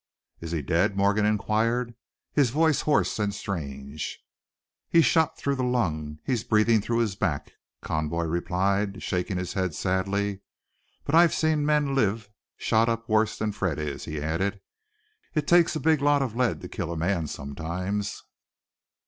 "Is he dead?" Morgan inquired, his voice hoarse and strange. "He's shot through the lung, he's breathin' through his back," Conboy replied, shaking his head sadly. "But I've seen men live shot up worse than Fred is," he added. "It takes a big lot of lead to kill a man sometimes."